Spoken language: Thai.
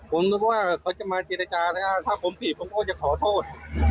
ผมนึกว่าเขาจะมาจีดจาถ้าผมผิดผมก็จะขอโทษ